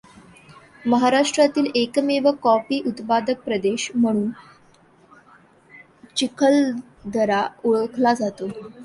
महाराष्ट्रातील एकमेव कॉफी उत्पादक प्रदेश म्हणून चिखलदरा ओळखला जातो.